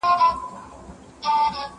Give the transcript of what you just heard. زه له سهاره کالي وچوم.